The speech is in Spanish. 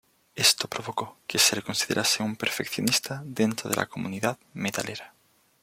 Esto provocó que se le considerase un perfeccionista dentro de la comunidad metalera.